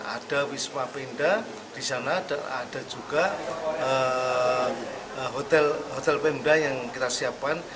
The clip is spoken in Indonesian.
ada wisma penda di sana dan ada juga hotel hotel pemda yang kita siapkan